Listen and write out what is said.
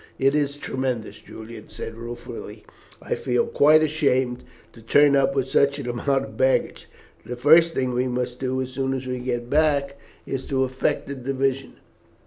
"It is tremendous!" Julian said almost ruefully. "I feel quite ashamed to turn up with such an amount of baggage. The first thing we must do, as soon as we get back, is to effect a division.